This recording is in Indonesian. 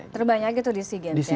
terbanyak itu di sea games